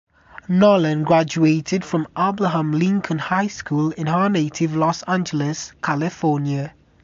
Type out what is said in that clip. Nolan graduated from Abraham Lincoln High School in her native Los Angeles, California.